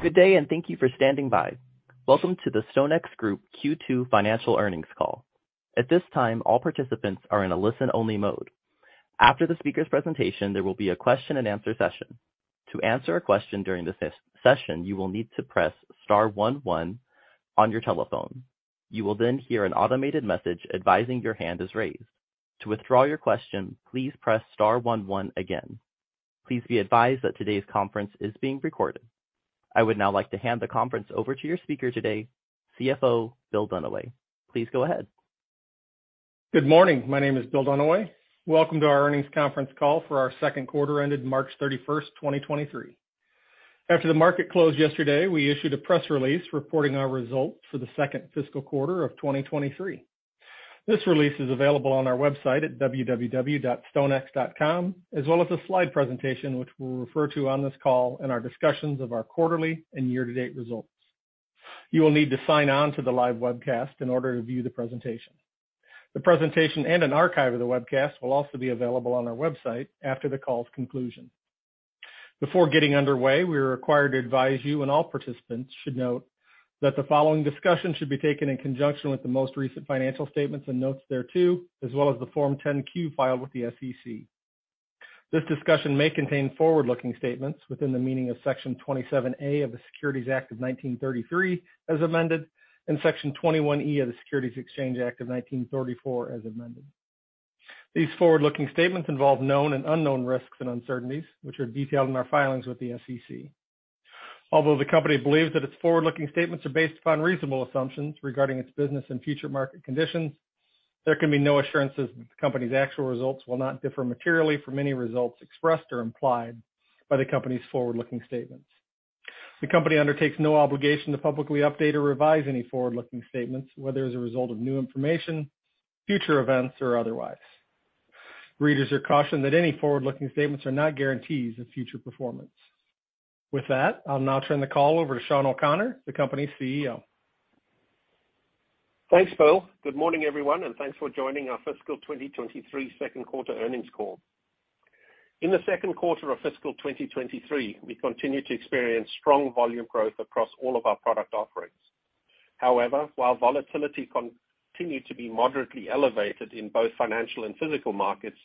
Good day. Thank you for standing by. Welcome to the StoneX Group Q2 financial earnings call. At this time, all participants are in a listen-only mode. After the speaker's presentation, there will be a question-and-answer session. To answer a question during the session, you will need to press star 11 on your telephone. You will hear an automated message advising your hand is raised. To withdraw your question, please press star 11 again. Please be advised that today's conference is being recorded. I would now like to hand the conference over to your speaker today, CFO Bill Dunaway. Please go ahead. Good morning. My name is Bill Dunaway. Welcome to our earnings conference call for our Q2 ended March 31, 2023. After the market closed yesterday, we issued a press release reporting our results for the second fiscal quarter of 2023. This release is available on our website at www.stonex.com, as well as a slide presentation, which we'll refer to on this call in our discussions of our quarterly and year-to-date results. You will need to sign on to the live webcast in order to view the presentation. The presentation and an archive of the webcast will also be available on our website after the call's conclusion. Before getting underway, we are required to advise you, and all participants should note, that the following discussion should be taken in conjunction with the most recent financial statements and notes thereto, as well as the Form 10-Q filed with the SEC. This discussion may contain forward-looking statements within the meaning of Section 27A of the Securities Act of 1933, as amended, and Section 21E of the Securities Exchange Act of 1934, as amended. These forward-looking statements involve known and unknown risks and uncertainties, which are detailed in our filings with the SEC. Although the company believes that its forward-looking statements are based upon reasonable assumptions regarding its business and future market conditions, there can be no assurances that the company's actual results will not differ materially from any results expressed or implied by the company's forward-looking statements. The company undertakes no obligation to publicly update or revise any forward-looking statements, whether as a result of new information, future events, or otherwise. Readers are cautioned that any forward-looking statements are not guarantees of future performance. With that, I'll now turn the call over to Sean O'Connor, the company's CEO. Thanks, Bill. Good morning, everyone, and thanks for joining our fiscal 2023 Q2 earnings call. In the Q2 of fiscal 2023, we continued to experience strong volume growth across all of our product offerings. While volatility continued to be moderately elevated in both financial and physical markets,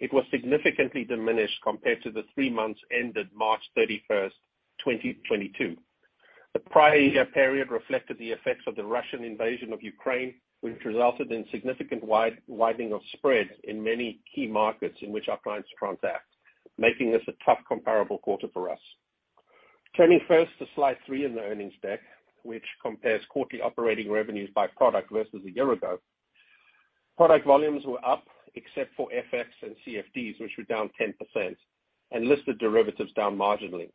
it was significantly diminished compared to the 3 months ended March 31, 2022. The prior year period reflected the effects of the Russian invasion of Ukraine, which resulted in significant widening of spreads in many key markets in which our clients transact, making this a tough comparable quarter for us. Turning first to slide 3 in the earnings deck, which compares quarterly operating revenues by product versus a year ago. Product volumes were up except for FX and CFDs, which were down 10%, and listed derivatives down marginally.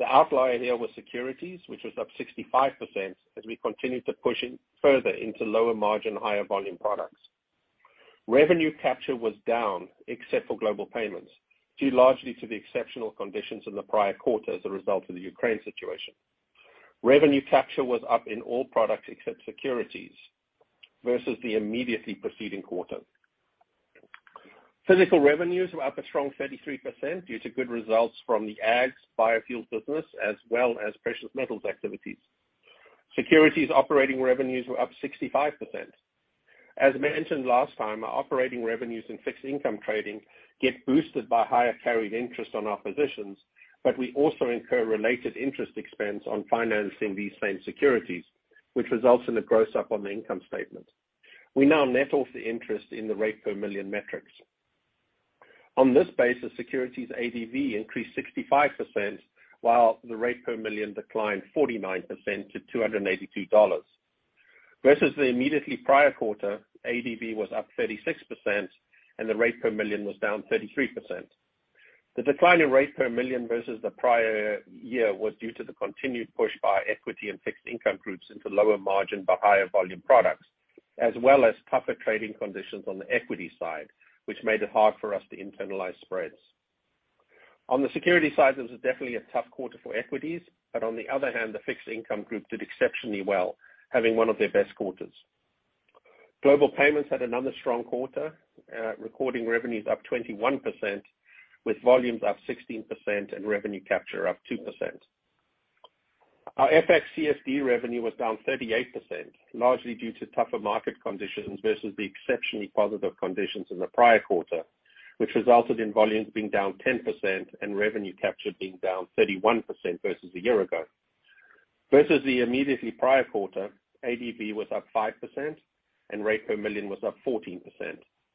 The outlier here was securities, which was up 65% as we continued to push further into lower margin, higher volume products. Revenue capture was down except for global payments, due largely to the exceptional conditions in the prior quarter as a result of the Ukraine situation. Revenue capture was up in all products except securities versus the immediately preceding quarter. Physical revenues were up a strong 33% due to good results from the Ags, biofuels business, as well as precious metals activities. Securities operating revenues were up 65%. As mentioned last time, our operating revenues in fixed income trading get boosted by higher carried interest on our positions, but we also incur related interest expense on financing these same securities, which results in a gross up on the income statement. We now net off the interest in the rate per million metrics. On this basis, securities ADV increased 65%, while the rate per million declined 49% to $282. Versus the immediately prior quarter, ADV was up 36% and the rate per million was down 33%. The decline in rate per million versus the prior year was due to the continued push by equity and fixed income groups into lower margin but higher volume products, as well as tougher trading conditions on the equity side, which made it hard for us to internalize spreads. On the securities side, this was definitely a tough quarter for equities, but on the other hand, the fixed income group did exceptionally well, having one of their best quarters. Global payments had another strong quarter, recording revenues up 21%, with volumes up 16% and revenue capture up 2%. Our FX CFD revenue was down 38%, largely due to tougher market conditions versus the exceptionally positive conditions in the prior quarter, which resulted in volumes being down 10% and revenue capture being down 31% versus a year ago. The immediately prior quarter, ADV was up 5% and rate per million was up 14%.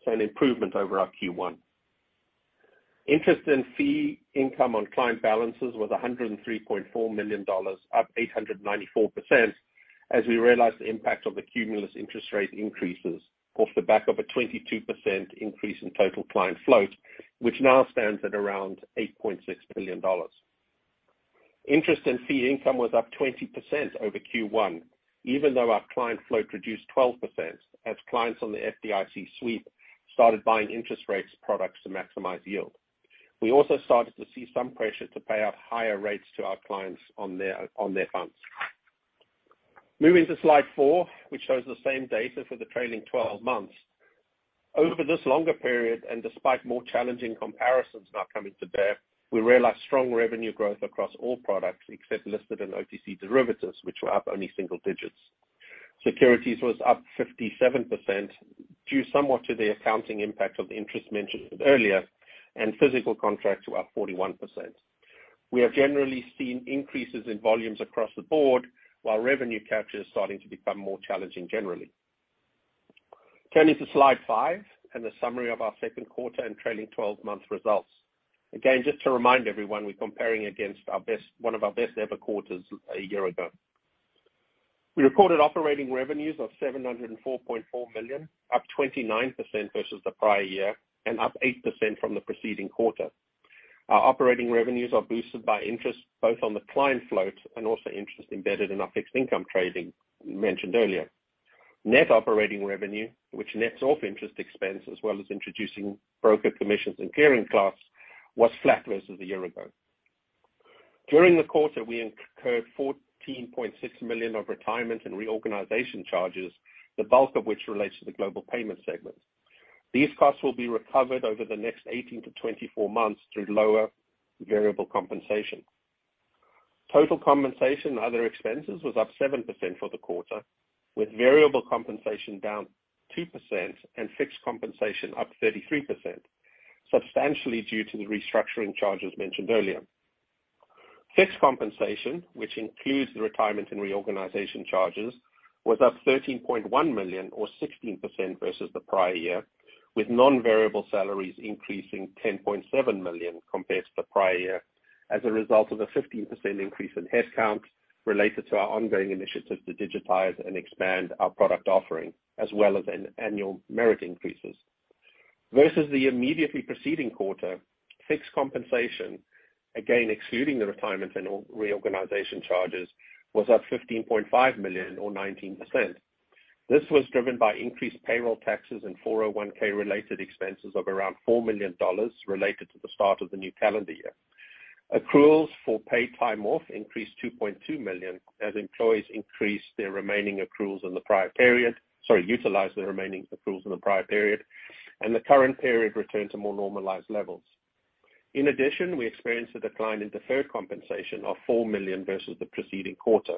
An improvement over our Q1. Interest and fee income on client balances was $103.4 million, up 894%, as we realized the impact of the cumulative interest rate increases off the back of a 22% increase in total client float, which now stands at around $8.6 billion. Interest and fee income was up 20% over Q1, even though our client float reduced 12% as clients on the FDIC sweep started buying interest rates products to maximize yield. We also started to see some pressure to pay out higher rates to our clients on their funds. Moving to slide 4, which shows the same data for the trailing 12 months. Despite more challenging comparisons now coming to bear, we realized strong revenue growth across all products except listed in OTC derivatives, which were up only single digits. Securities was up 57% due somewhat to the accounting impact of interest mentioned earlier. Physical contracts were up 41%. We have generally seen increases in volumes across the board while revenue capture is starting to become more challenging generally. Turning to slide five and the summary of our Q2 and trailing 12 months results. Again, just to remind everyone, we're comparing against one of our best ever quarters a year ago. We reported operating revenues of $704.4 million, up 29% versus the prior year and up 8% from the preceding quarter. Our operating revenues are boosted by interest both on the client float and also interest embedded in our fixed income trading mentioned earlier. Net operating revenue, which nets off interest expense as well as introducing broker commissions and clearing costs, was flat versus a year ago. During the quarter, we incurred $14.6 million of retirement and reorganization charges, the bulk of which relates to the global payment segment. These costs will be recovered over the next 18 to 24 months through lower variable compensation. Total compensation and other expenses was up 7% for the quarter, with variable compensation down 2% and fixed compensation up 33%, substantially due to the restructuring charges mentioned earlier. Fixed compensation, which includes the retirement and reorganization charges, was up $13.1 million or 16% versus the prior year, with non-variable salaries increasing $10.7 million compared to the prior year as a result of a 15% increase in headcount related to our ongoing initiatives to digitize and expand our product offering as well as annual merit increases. Versus the immediately preceding quarter, fixed compensation, again excluding the retirement and reorganization charges, was up $15.5 million or 19%. This was driven by increased payroll taxes and 401(k) related expenses of around $4 million related to the start of the new calendar year. Accruals for paid time off increased $2.2 million as employees increased their remaining accruals in the prior period, sorry, utilized their remaining accruals in the prior period, and the current period returned to more normalized levels. We experienced a decline in deferred compensation of $4 million versus the preceding quarter.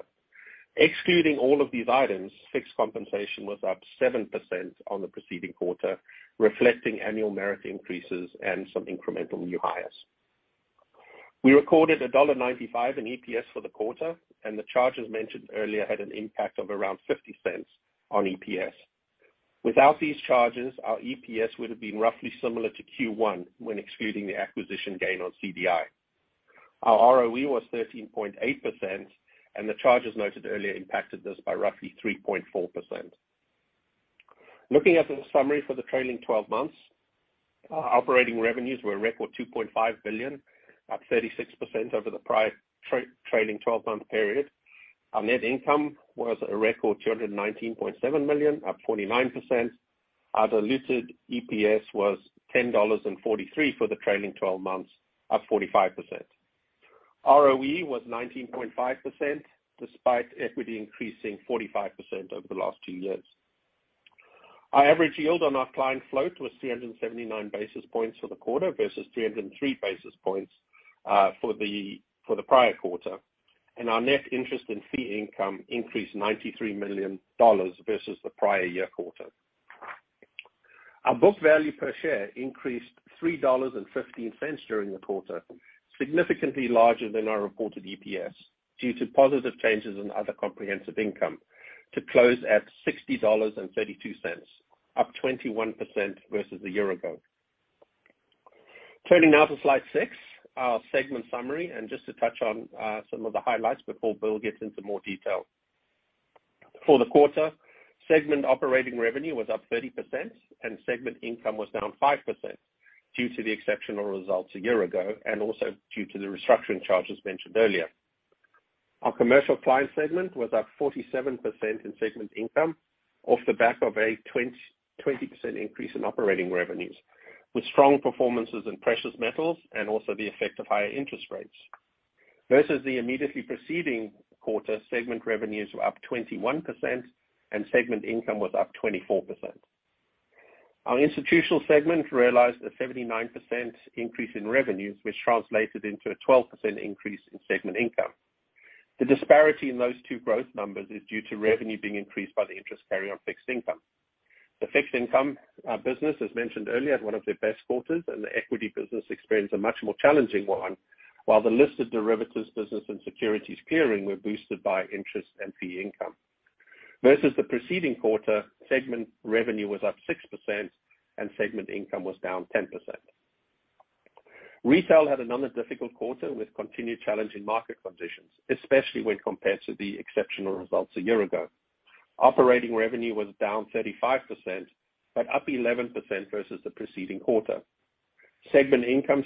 Excluding all of these items, fixed compensation was up 7% on the preceding quarter, reflecting annual merit increases and some incremental new hires. We recorded $1.95 in EPS for the quarter, and the charges mentioned earlier had an impact of around $0.50 on EPS. Without these charges, our EPS would have been roughly similar to Q1 when excluding the acquisition gain on CDI. Our ROE was 13.8%, and the charges noted earlier impacted this by roughly 3.4%. Looking at the summary for the trailing twelve months, our operating revenues were a record $2.5 billion, up 36% over the prior trailing twelve-month period. Our net income was a record $219.7 million, up 49%. Our diluted EPS was $10.43 for the trailing twelve months, up 45%. ROE was 19.5% despite equity increasing 45% over the last two years. Our average yield on our client float was 379 basis points for the quarter versus 303 basis points for the prior quarter, and our net interest in fee income increased $93 million versus the prior year quarter. Our book value per share increased $3.15 during the quarter, significantly larger than our reported EPS, due to positive changes in Other Comprehensive Income, to close at $60.32, up 21% versus a year ago. Turning now to Slide 6, our segment summary, and just to touch on some of the highlights before Bill gets into more detail. For the quarter, segment operating revenue was up 30% and segment income was down 5% due to the exceptional results a year ago and also due to the restructuring charges mentioned earlier. Our commercial client segment was up 47% in segment income off the back of a 20% increase in operating revenues, with strong performances in precious metals and also the effect of higher interest rates. Versus the immediately preceding quarter, segment revenues were up 21% and segment income was up 24%. Our institutional segment realized a 79% increase in revenues, which translated into a 12% increase in segment income. The disparity in those two growth numbers is due to revenue being increased by the interest carry on fixed income. The fixed income business, as mentioned earlier, had one of their best quarters, and the equity business experienced a much more challenging one, while the listed derivatives business and securities clearing were boosted by interest and fee income. Versus the preceding quarter, segment revenue was up 6% and segment income was down 10%. Retail had another difficult quarter with continued challenging market conditions, especially when compared to the exceptional results a year ago. Operating revenue was down 35%, but up 11% versus the preceding quarter. Segment income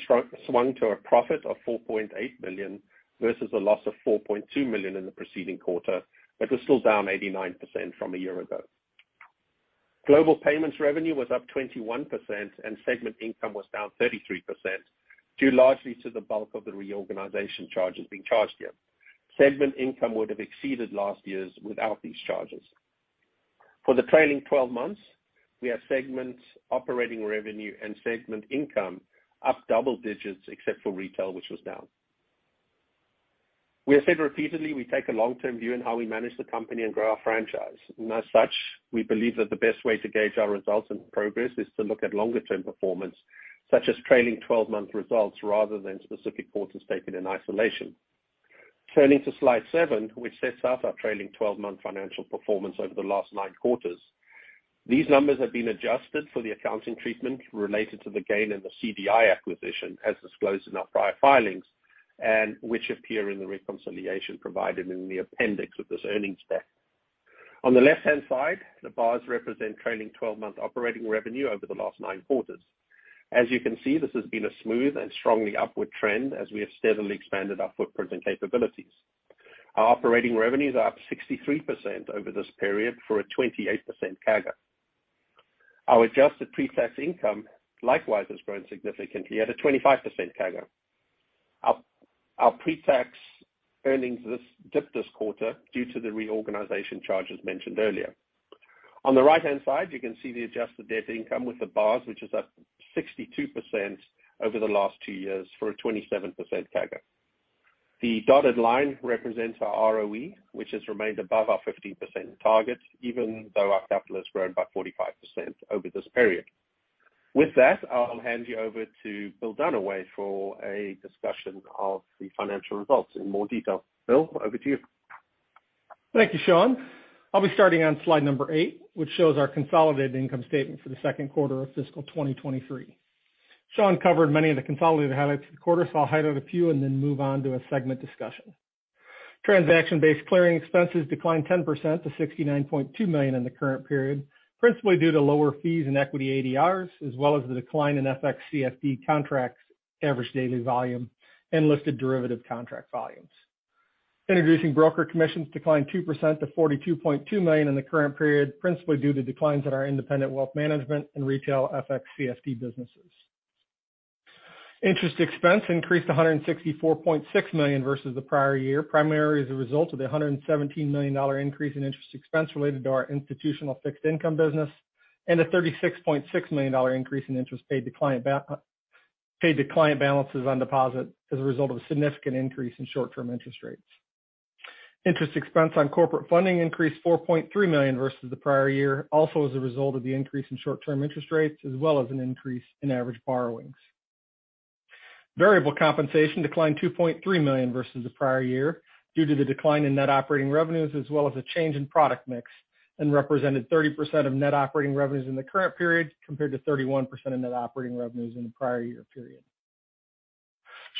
swung to a profit of $4.8 million versus a loss of $4.2 million in the preceding quarter, was still down 89% from a year ago. Global payments revenue was up 21% and segment income was down 33%, due largely to the bulk of the reorganization charges being charged here. Segment income would have exceeded last year's without these charges. For the trailing twelve months, we have segment operating revenue and segment income up double digits except for retail, which was down. We have said repeatedly, we take a long-term view in how we manage the company and grow our franchise. As such, we believe that the best way to gauge our results and progress is to look at longer-term performance, such as trailing twelve-month results rather than specific quarters taken in isolation. Turning to slide 7, which sets out our trailing 12-month financial performance over the last 9 quarters. These numbers have been adjusted for the accounting treatment related to the gain in the CDI acquisition, as disclosed in our prior filings, which appear in the reconciliation provided in the appendix of this earnings deck. On the left-hand side, the bars represent trailing 12-month operating revenue over the last 9 quarters. As you can see, this has been a smooth and strongly upward trend as we have steadily expanded our footprint and capabilities. Our operating revenues are up 63% over this period for a 28% CAGR. Our adjusted pre-tax income likewise has grown significantly at a 25% CAGR. Our pre-tax earnings dipped this quarter due to the reorganization charges mentioned earlier. On the right-hand side, you can see the adjusted debt income with the bars, which is up 62% over the last two years for a 27% CAGR. The dotted line represents our ROE, which has remained above our 15% target, even though our capital has grown by 45% over this period. With that, I'll hand you over to Bill Dunaway for a discussion of the financial results in more detail. Bill, over to you. Thank you, Sean. I'll be starting on slide number eight, which shows our consolidated income statement for the Q2 of fiscal 2023. Sean covered many of the consolidated highlights for the quarter, so I'll highlight a few and then move on to a segment discussion. Transaction-based clearing expenses declined 10% to $69.2 million in the current period, principally due to lower fees and equity ADRs, as well as the decline in FXCFD contracts average daily volume and listed derivative contract volumes. Introducing broker commissions declined 2% to $42.2 million in the current period, principally due to declines in our independent wealth management and retail FXCFD businesses. Interest expense increased to $164.6 million versus the prior year, primarily as a result of the $117 million increase in interest expense related to our institutional fixed income business, and a $36.6 million increase in interest paid to client balances on deposit as a result of a significant increase in short-term interest rates. Interest expense on corporate funding increased $4.3 million versus the prior year, also as a result of the increase in short-term interest rates, as well as an increase in average borrowings. Variable compensation declined $2.3 million versus the prior year due to the decline in net operating revenues, as well as a change in product mix, and represented 30% of net operating revenues in the current period, compared to 31% of net operating revenues in the prior year period.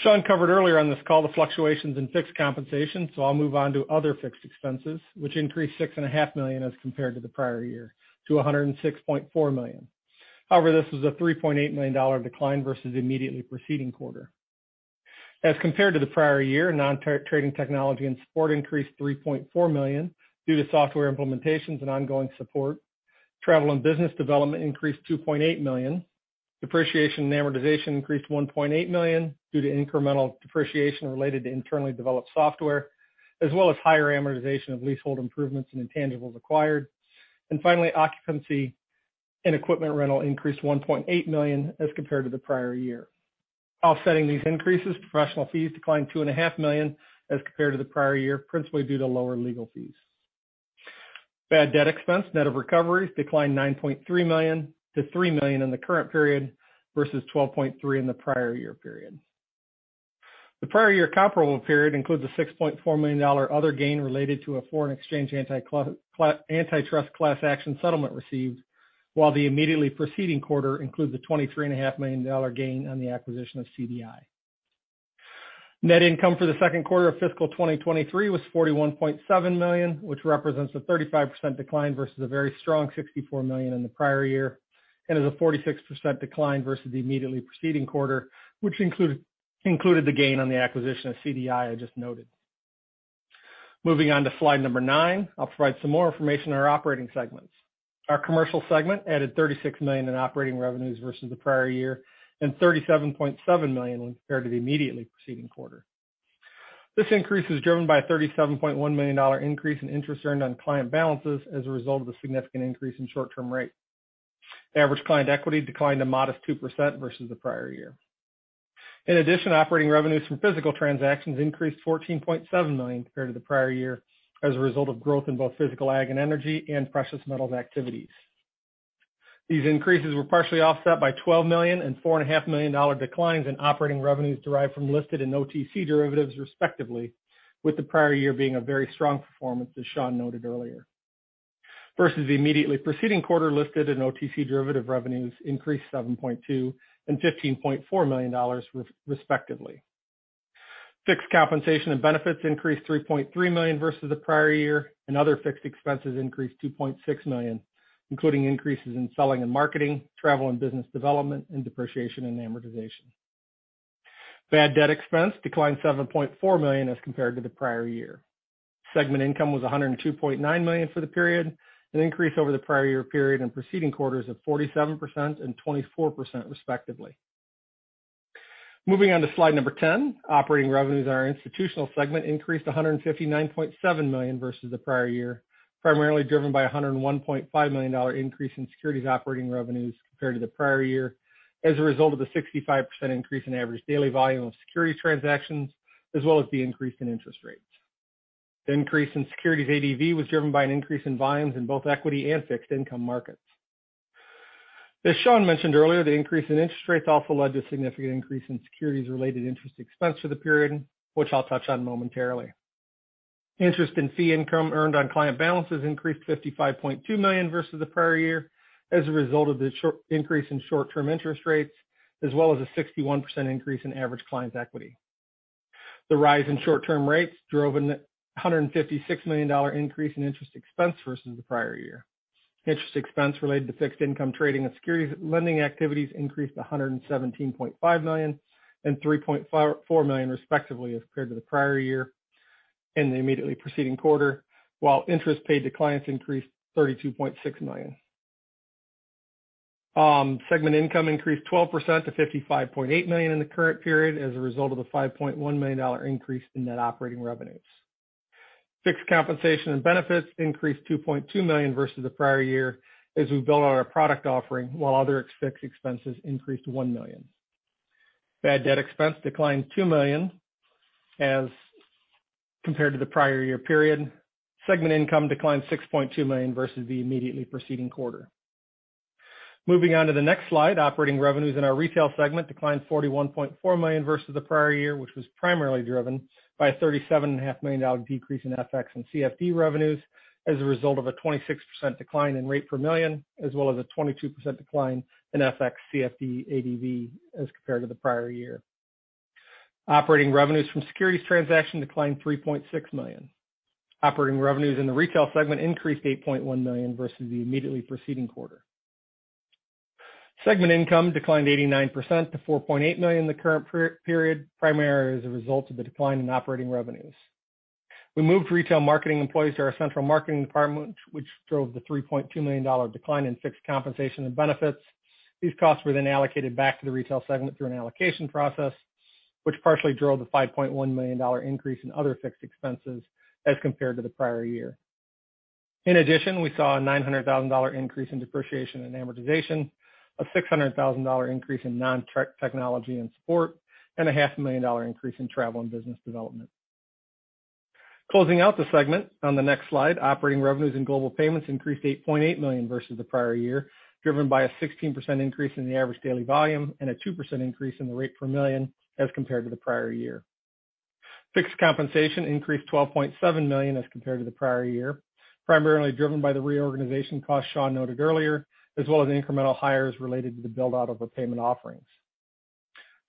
Sean covered earlier on this call the fluctuations in fixed compensation, I'll move on to other fixed expenses, which increased six and a half million as compared to the prior year to $106.4 million. This was a $3.8 million decline versus immediately preceding quarter. As compared to the prior year, non-trading technology and support increased $3.4 million due to software implementations and ongoing support. Travel and business development increased $2.8 million. Depreciation and amortization increased $1.8 million due to incremental depreciation related to internally developed software, as well as higher amortization of leasehold improvements and intangibles acquired. Finally, occupancy and equipment rental increased $1.8 million as compared to the prior year. Offsetting these increases, professional fees declined two and a half million dollars as compared to the prior year, principally due to lower legal fees. Bad debt expense, net of recoveries, declined $9.3 million to $3 million in the current period, versus $12.3 million in the prior year period. The prior year comparable period includes a $6.4 million other gain related to a foreign exchange antitrust class action settlement received, while the immediately preceding quarter includes a twenty-three and a half million dollar gain on the acquisition of CDI. Net income for the Q2 of fiscal 2023 was $41.7 million, which represents a 35% decline versus a very strong $64 million in the prior year, and is a 46% decline versus the immediately preceding quarter, which included the gain on the acquisition of CDI I just noted. Moving on to slide number 9. I'll provide some more information on our operating segments. Our commercial segment added $36 million in operating revenues versus the prior year, and $37.7 million when compared to the immediately preceding quarter. This increase is driven by a $37.1 million increase in interest earned on client balances as a result of the significant increase in short-term rate. Average client equity declined a modest 2% versus the prior year. In addition, operating revenues from physical transactions increased $14.7 million compared to the prior year as a result of growth in both physical Ags and energy and precious metals activities. These increases were partially offset by $12 million and four and a half million dollar declines in operating revenues derived from listed and OTC derivatives respectively, with the prior year being a very strong performance, as Sean noted earlier. Versus the immediately preceding quarter, listed and OTC derivative revenues increased $7.2 million and $15.4 million respectively. Fixed compensation and benefits increased $3.3 million versus the prior year, and other fixed expenses increased $2.6 million, including increases in selling and marketing, travel and business development, and depreciation and amortization. Bad debt expense declined $7.4 million as compared to the prior year. Segment income was $102.9 million for the period, an increase over the prior year period and preceding quarters of 47% and 24% respectively. Moving on to slide number 10. Operating revenues in our institutional segment increased $159.7 million versus the prior year, primarily driven by a $101.5 million increase in securities operating revenues compared to the prior year, as a result of the 65% increase in average daily volume of security transactions, as well as the increase in interest rates. The increase in securities ADV was driven by an increase in volumes in both equity and fixed income markets. As Sean mentioned earlier, the increase in interest rates also led to a significant increase in securities related interest expense for the period, which I'll touch on momentarily. Interest and fee income earned on client balances increased $55.2 million versus the prior year as a result of the increase in short-term interest rates, as well as a 61% increase in average clients equity. The rise in short-term rates drove an $156 million increase in interest expense versus the prior year. Interest expense related to fixed income trading and securities lending activities increased $117.5 million and $3.44 million, respectively, as compared to the prior year and the immediately preceding quarter, while interest paid to clients increased $32.6 million. Segment income increased 12% to $55.8 million in the current period as a result of the $5.1 million increase in net operating revenues. Fixed compensation and benefits increased $2.2 million versus the prior year as we build on our product offering, while other fixed expenses increased $1 million. Bad debt expense declined $2 million as compared to the prior year period. Segment income declined $6.2 million versus the immediately preceding quarter. Moving on to the next slide. Operating revenues in our retail segment declined $41.4 million versus the prior year, which was primarily driven by a thirty-seven and a half million dollar decrease in FX and CFD revenues as a result of a 26% decline in rate per million, as well as a 22% decline in FX, CFD, ADV as compared to the prior year. Operating revenues from securities transaction declined $3.6 million. Operating revenues in the retail segment increased $8.1 million versus the immediately preceding quarter. Segment income declined 89% to $4.8 million in the current per-period, primarily as a result of the decline in operating revenues. We moved retail marketing employees to our central marketing department, which drove the $3.2 million decline in fixed compensation and benefits. These costs were then allocated back to the retail segment through an allocation process, which partially drove the $5.1 million increase in other fixed expenses as compared to the prior year. In addition, we saw a $900,000 increase in depreciation and amortization, a $600,000 increase in non-technology and support, and a half a million dollar increase in travel and business development. Closing out the segment on the next slide, operating revenues and global payments increased $8.8 million versus the prior year, driven by a 16% increase in the average daily volume and a 2% increase in the rate per million as compared to the prior year. Fixed compensation increased $12.7 million as compared to the prior year, primarily driven by the reorganization costs Sean noted earlier, as well as incremental hires related to the build-out of our payment offerings.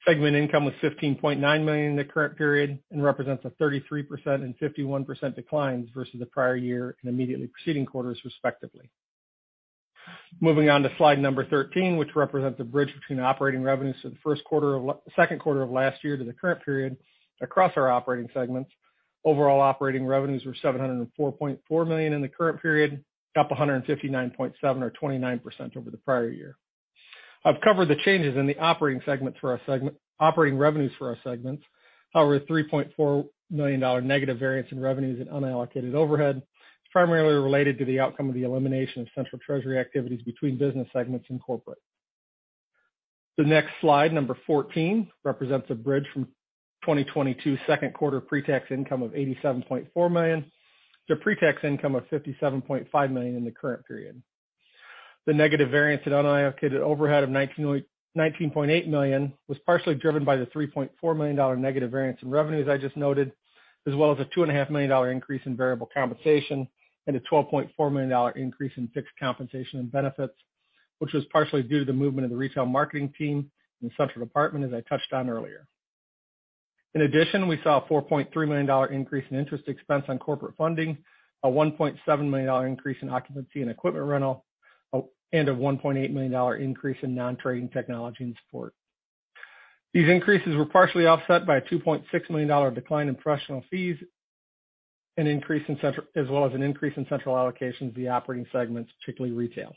Segment income was $15.9 million in the current period and represents a 33% and 51% declines versus the prior year in immediately preceding quarters, respectively. Moving on to slide number 13, which represents the bridge between operating revenues for the Q2 of last year to the current period across our operating segments. Overall operating revenues were $704.4 million in the current period, up $159.7 or 29% over the prior year. I've covered the changes in the operating segment for our operating revenues for our segments. However, $3.4 million negative variance in revenues and unallocated overhead is primarily related to the outcome of the elimination of central treasury activities between business segments and corporate. The next slide, number 14, represents a bridge from 2022 Q2 pre-tax income of $87.4 million to pre-tax income of $57.5 million in the current period. The negative variance in unallocated overhead of $19.8 million was partially driven by the $3.4 million negative variance in revenues I just noted, as well as a $2.5 million increase in variable compensation and a $12.4 million increase in fixed compensation and benefits, which was partially due to the movement of the retail marketing team in the central department, as I touched on earlier. In addition, we saw a $4.3 million increase in interest expense on corporate funding, a $1.7 million increase in occupancy and equipment rental, and a $1.8 million increase in non-trading technology and support. These increases were partially offset by a $2.6 million decline in professional fees, an increase in central allocations of the operating segments, particularly retail.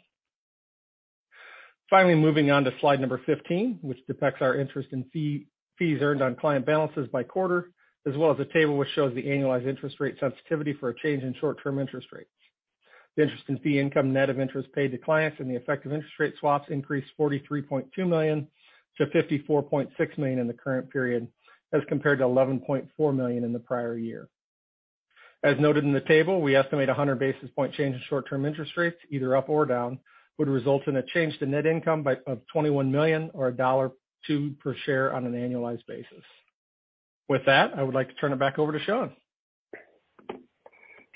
Moving on to slide number 15, which depicts our interest in fee, fees earned on client balances by quarter, as well as a table which shows the annualized interest rate sensitivity for a change in short-term interest rates. The interest in fee income net of interest paid to clients and the effective interest rate swaps increased $43.2 million to $54.6 million in the current period, as compared to $11.4 million in the prior year. As noted in the table, we estimate a 100 basis point change in short-term interest rates, either up or down, would result in a change to net income of $21 million or $1.02 per share on an annualized basis. With that, I would like to turn it back over to Sean.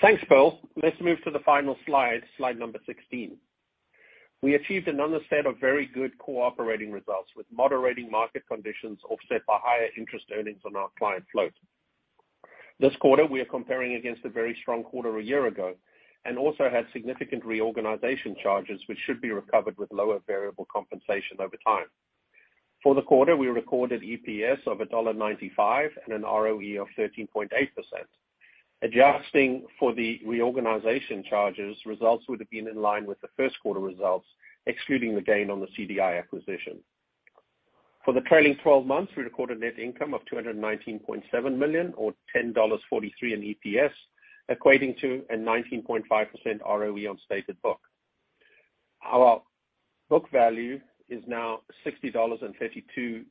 Thanks, Bill. Let's move to the final slide number 16. We achieved another set of very good operating results with moderating market conditions offset by higher interest earnings on our client float. This quarter, we are comparing against a very strong quarter a year ago and also had significant reorganization charges, which should be recovered with lower variable compensation over time. For the quarter, we recorded EPS of $1.95 and an ROE of 13.8%. Adjusting for the reorganization charges, results would have been in line with the Q1 results, excluding the gain on the CDI acquisition. For the trailing 12 months, we recorded net income of $219.7 million, or $10.43 in EPS, equating to a 19.5% ROE on stated book. Our book value is now $60.32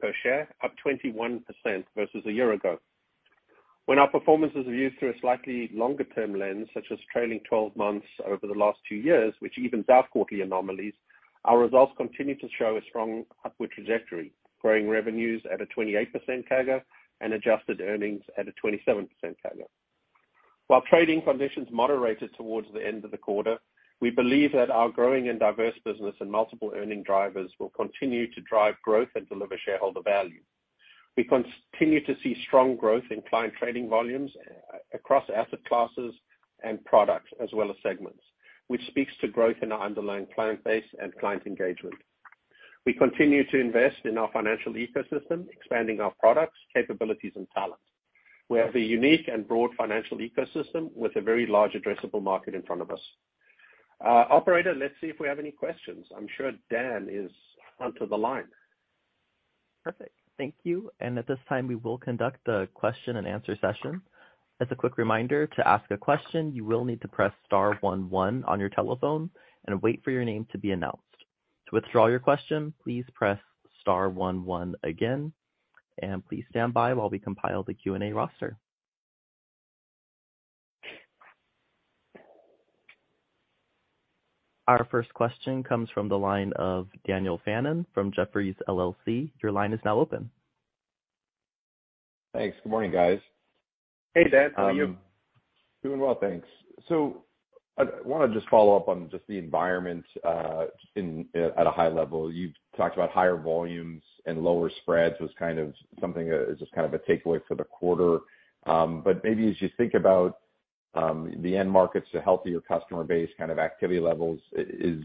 per share, up 21% versus a year ago. When our performance is viewed through a slightly longer-term lens, such as trailing twelve months over the last two years, which evens out quarterly anomalies, our results continue to show a strong upward trajectory, growing revenues at a 28% CAGR and adjusted earnings at a 27% CAGR. While trading conditions moderated towards the end of the quarter, we believe that our growing and diverse business and multiple earning drivers will continue to drive growth and deliver shareholder value. We continue to see strong growth in client trading volumes across asset classes and products as well as segments, which speaks to growth in our underlying client base and client engagement. We continue to invest in our financial ecosystem, expanding our products, capabilities, and talent. We have a unique and broad financial ecosystem with a very large addressable market in front of us. Operator, let's see if we have any questions. I'm sure Dan is onto the line. Perfect. Thank you. At this time, we will conduct the question-and-answer session. As a quick reminder, to ask a question, you will need to press star 11 on your telephone and wait for your name to be announced. To withdraw your question, please press star 11 again. Please stand by while we compile the Q&A roster. Our first question comes from the line of Daniel Fannon from Jefferies LLC. Your line is now open. Thanks. Good morning, guys. Hey, Dan. How are you? Doing well, thanks. I wanna just follow up on just the environment, just in at a high level. You've talked about higher volumes and lower spreads was kind of something as just kind of a takeaway for the quarter. Maybe as you think about the end markets, the healthier customer base kind of activity levels is,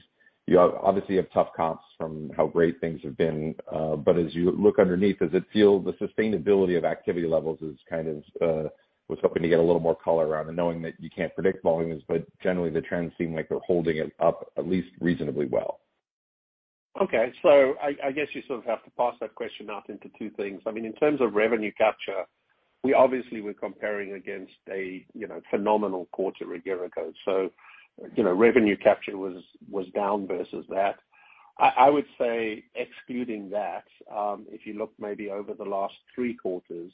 you obviously have tough comps from how great things have been. As you look underneath, does it feel the sustainability of activity levels is kind of? Was hoping to get a little more color around it, knowing that you can't predict volumes, but generally the trends seem like they're holding it up at least reasonably well. Okay. I guess you sort of have to parse that question out into two things. I mean, in terms of revenue capture, we obviously were comparing against a, you know, phenomenal quarter a year ago. You know, revenue capture was down versus that. I would say excluding that, if you look maybe over the last three quarters,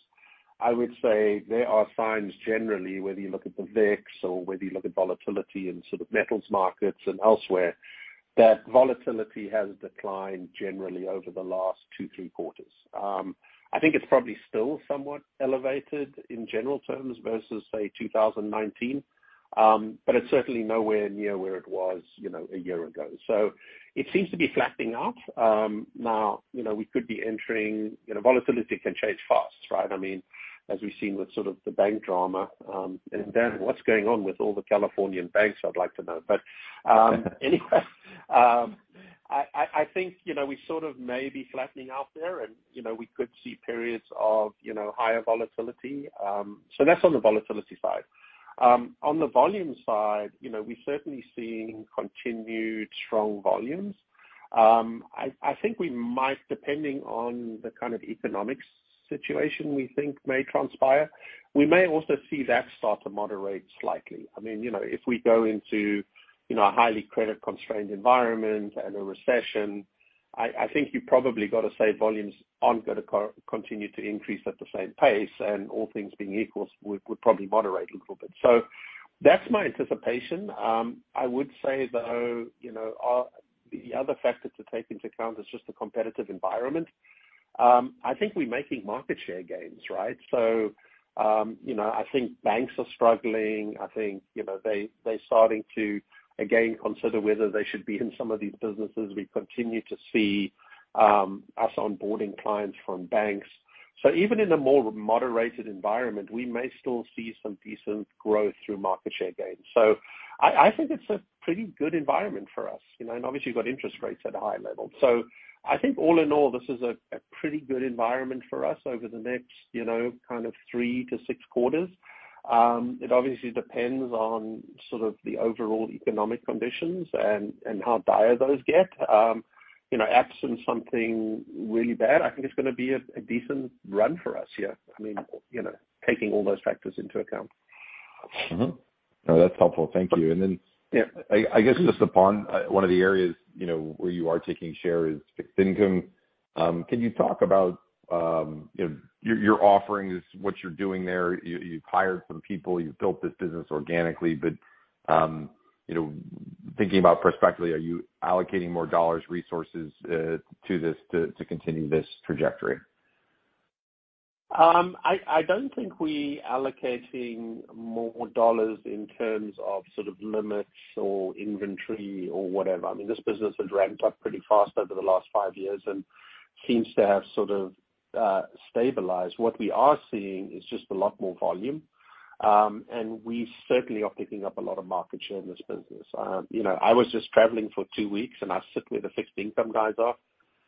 I would say there are signs generally, whether you look at the VIX or whether you look at volatility in sort of metals markets and elsewhere, that volatility has declined generally over the last two, three quarters. I think it's probably still somewhat elevated in general terms versus, say, 2019, but it's certainly nowhere near where it was, you know, a year ago. It seems to be flattening out. Now, you know, we could be entering, you know, volatility can change fast, right? I mean, as we've seen with sort of the bank drama, Dan, what's going on with all the Californian banks, I'd like to know. Anyway, I think, you know, we sort of may be flattening out there and, you know, we could see periods of, you know, higher volatility. That's on the volatility side. On the volume side, you know, we're certainly seeing continued strong volumes. I think we might, depending on the kind of economic situation we think may transpire, we may also see that start to moderate slightly. I mean, you know, if we go into, you know, a highly credit-constrained environment and a recession, I think you probably gotta say volumes aren't gonna continue to increase at the same pace, and all things being equal would probably moderate a little bit. That's my anticipation. I would say though, you know, the other factor to take into account is just the competitive environment. I think we're making market share gains, right? You know, I think banks are struggling. I think, you know, they're starting to, again, consider whether they should be in some of these businesses. We continue to see us onboarding clients from banks. Even in a more moderated environment, we may still see some decent growth through market share gains. I think it's a pretty good environment for us, you know. Obviously you've got interest rates at a high level. I think all in all, this is a pretty good environment for us over the next, you know, kind of 3 to 6 quarters. It obviously depends on sort of the overall economic conditions and how dire those get. You know, absent something really bad, I think it's gonna be a decent run for us here. I mean, you know, taking all those factors into account. No, that's helpful. Thank you. Yeah. I guess just to follow on, one of the areas, you know, where you are taking share is fixed income. Can you talk about, you know, your offerings, what you're doing there? You've hired some people, you've built this business organically, but, you know, thinking about prospectively, are you allocating more dollars, resources, to this to continue this trajectory? I don't think we're allocating more dollars in terms of sort of limits or inventory or whatever. I mean, this business has ramped up pretty fast over the last 5 years and seems to have sort of stabilized. What we are seeing is just a lot more volume. We certainly are picking up a lot of market share in this business. You know, I was just traveling for 2 weeks, and I sit where the fixed income guys are,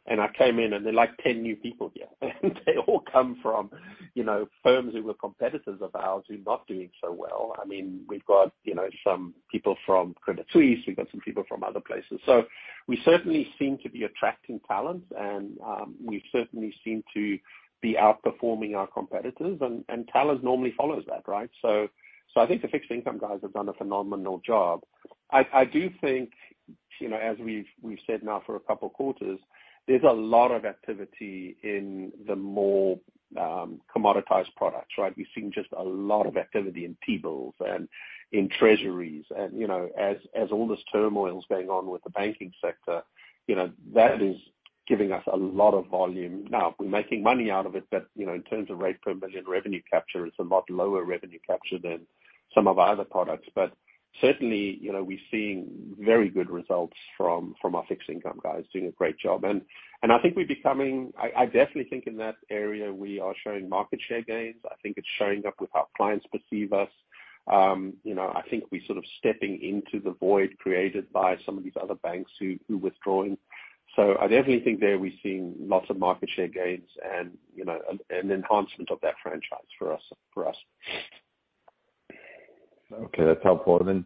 and I came in and there are like 10 new people here. They all come from, you know, firms who were competitors of ours who are not doing so well. I mean, we've got, you know, some people from Credit Suisse, we've got some people from other places. We certainly seem to be attracting talent and, we certainly seem to be outperforming our competitors and talent normally follows that, right? I think the fixed income guys have done a phenomenal job. I do think, you know, as we've said now for a couple of quarters, there's a lot of activity in the more, commoditized products, right? We've seen just a lot of activity in T-bills and in treasuries. You know, as all this turmoil is going on with the banking sector, you know, that is giving us a lot of volume. Now, we're making money out of it, you know, in terms of rate per million revenue capture, it's a lot lower revenue capture than some of our other products. Certainly, you know, we're seeing very good results from our fixed income guys doing a great job. I definitely think in that area, we are showing market share gains. I think it's showing up with how clients perceive us. You know, I think we're sort of stepping into the void created by some of these other banks who withdrawing. I definitely think there we're seeing lots of market share gains and, you know, an enhancement of that franchise for us. Okay. That's helpful. Then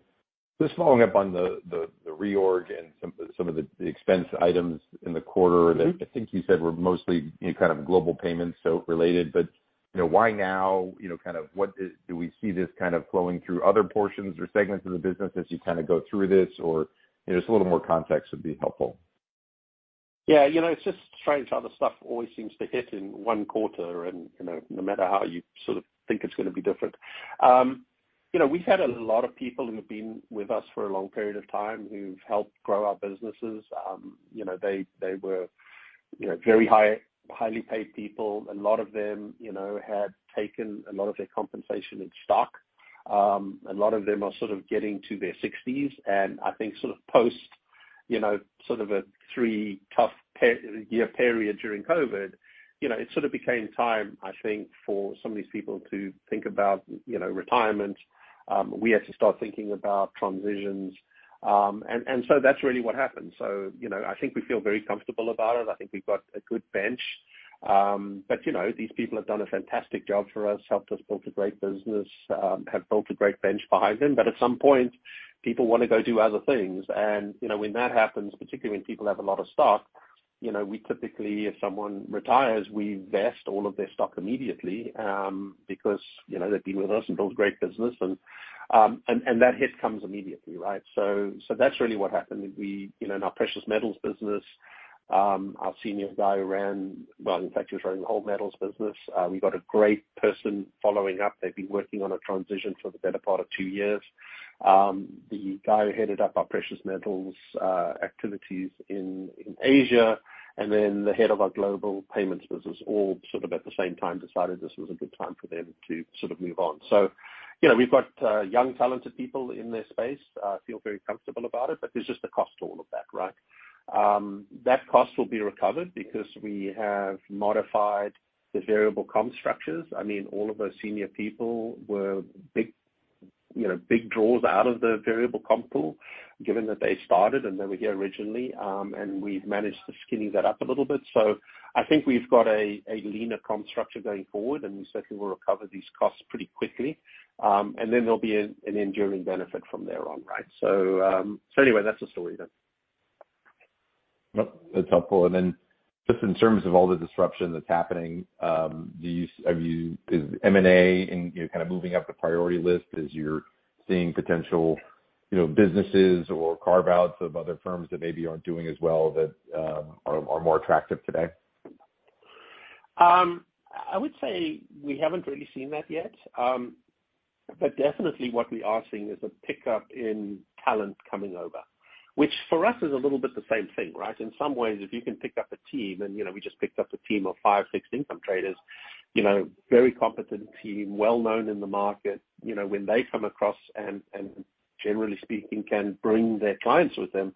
just following up on the reorg and some of the expense items in the quarter. Mm-hmm. that I think you said were mostly, you know, kind of global payments-related. You know, why now, you know, kind of what is do we see this kind of flowing through other portions or segments of the business as you kind of go through this? You know, just a little more context would be helpful. Yeah, you know, it's just strange how the stuff always seems to hit in one quarter, you know, no matter how you sort of think it's gonna be different. You know, we had a lot of people who have been with us for a long period of time who've helped grow our businesses. You know, they were, you know, very high, highly paid people. A lot of them, you know, had taken a lot of their compensation in stock. A lot of them are sort of getting to their 60s. I think sort of post, you know, sort of a 3 tough year period during COVID, you know, it sort of became time, I think, for some of these people to think about, you know, retirement. We had to start thinking about transitions. That's really what happened. You know, I think we feel very comfortable about it. I think we've got a good bench. You know, these people have done a fantastic job for us, helped us build a great business, have built a great bench behind them. At some point, people wanna go do other things. You know, when that happens, particularly when people have a lot of stock, you know, we typically, if someone retires, we vest all of their stock immediately, because, you know, they've been with us and built a great business and that hit comes immediately, right? That's really what happened. You know, in our precious metals business, our senior guy ran. Well, in fact, he was running the whole metals business. We got a great person following up. They've been working on a transition for the better part of 2 years. The guy who headed up our precious metals activities in Asia and then the head of our global payments business, all sort of at the same time decided this was a good time for them to sort of move on. You know, we've got young, talented people in this space. Feel very comfortable about it, but there's just a cost to all of that, right? That cost will be recovered because we have modified the variable comp structures. I mean, all of our senior people were big, you know, big draws out of the variable comp pool, given that they started and they were here originally. We've managed to skinny that up a little bit. I think we've got a leaner comp structure going forward, and we certainly will recover these costs pretty quickly. Then there'll be an enduring benefit from there on, right? Anyway, that's the story then. Well, that's helpful. Just in terms of all the disruption that's happening, Is M&A and, you know, kind of moving up the priority list as you're seeing potential, you know, businesses or carve-outs of other firms that maybe aren't doing as well that are more attractive today? I would say we haven't really seen that yet. Definitely what we are seeing is a pickup in talent coming over, which for us is a little bit the same thing, right? In some ways, if you can pick up a team and, you know, we just picked up a team of five fixed income traders, you know, very competent team, well-known in the market. You know, when they come across and generally speaking, can bring their clients with them,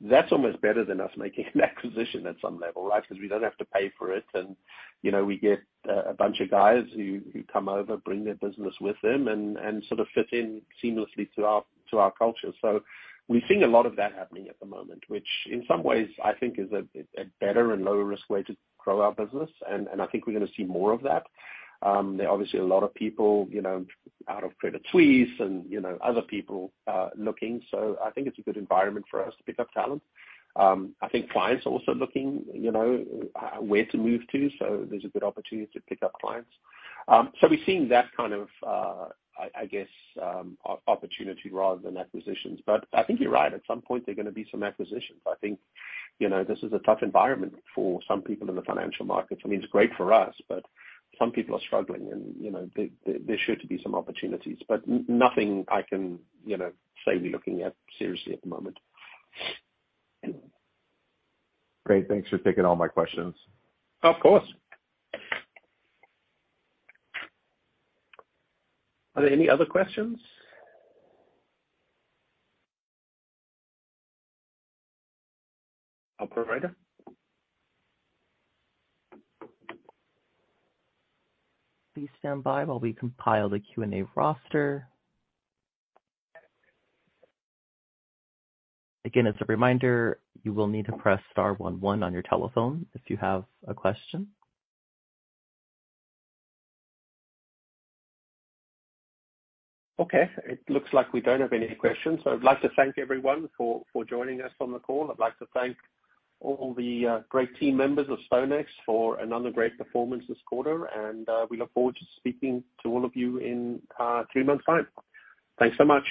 that's almost better than us making an acquisition at some level, right? Because we don't have to pay for it. You know, we get a bunch of guys who come over, bring their business with them and sort of fit in seamlessly to our culture. We're seeing a lot of that happening at the moment, which in some ways I think is a better and lower risk way to grow our business. I think we're gonna see more of that. There are obviously a lot of people, you know, out of Credit Suisse and, you know, other people looking. I think it's a good environment for us to pick up talent. I think clients are also looking, you know, where to move to, so there's a good opportunity to pick up clients. We're seeing that kind of I guess opportunity rather than acquisitions. I think you're right. At some point, there are gonna be some acquisitions. I think, you know, this is a tough environment for some people in the financial markets. I mean, it's great for us, but some people are struggling and, you know, there should be some opportunities. Nothing I can, you know, say we're looking at seriously at the moment. Great. Thanks for taking all my questions. Of course. Are there any other questions? Operator? Please stand by while we compile the Q&A roster. Again, as a reminder, you will need to press star one one on your telephone if you have a question. Okay. It looks like we don't have any questions, so I'd like to thank everyone for joining us on the call. I'd like to thank all the great team members of StoneX for another great performance this quarter. We look forward to speaking to all of you in two months' time. Thanks so much.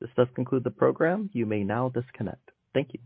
This does conclude the program. You may now disconnect. Thank you.